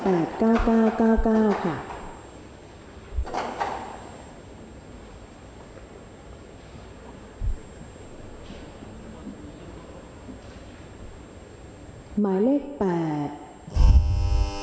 สมรรถการสลากกินแบ่งรัฐบาลได้จัดสรรสลากให้ตัวแทนจำหน่ายรับไปจำหน่ายในราคาต้นทุนฉบับละ๗๐บาท๔๐ต่าง